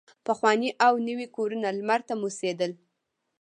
پخواني او نوي کورونه لمر ته موسېدل.